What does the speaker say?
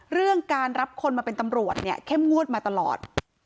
เรื่องการรับคนมาเป็นตำรวจเนี่ยเข้มงวดมาตลอด